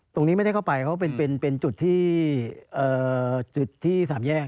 ตรงนี้ไม่ได้เข้าไปเขาเป็นจุดที่สามแยก